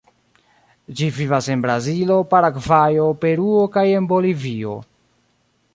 Ĝi vivas en Brazilo, Paragvajo, Peruo kaj en Bolivio.